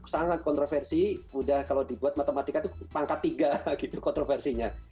sangat kontroversi mudah kalau dibuat matematika itu pangkat tiga gitu kontroversinya